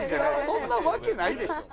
そんなわけないでしょ